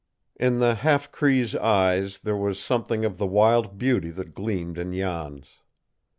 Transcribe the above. In the half Cree's eyes there was something of the wild beauty that gleamed in Jan's.